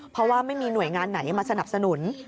เพราะว่าไม่มีหน่วยงานไหนมาสนับสนุน